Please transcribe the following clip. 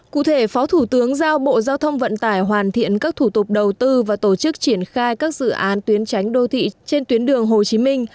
cụ thể phó thủ tướng giao bộ giao thông vận tải hoàn thiện các thủ tục đầu tư và tổ chức triển khai các dự án tuyến tránh đô thị trên tuyến đường hồ chí minh